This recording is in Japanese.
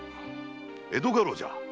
江戸家老じゃ。